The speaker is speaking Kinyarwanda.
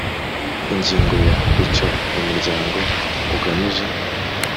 Ingingo ya icyo umuryango ugamije